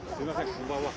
こんばんは。